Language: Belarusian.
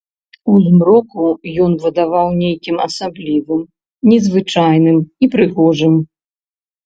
У змроку ён выдаваў нейкім асаблівым, незвычайным і прыгожым.